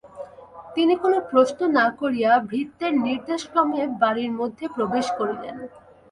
তিনি কোনো প্রশ্ন না করিয়া ভৃত্যের নির্দেশক্রমে বাড়ির মধ্যে প্রবেশ করিলেন।